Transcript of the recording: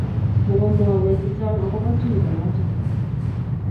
mukumwowech chechang' akobo tuyionoto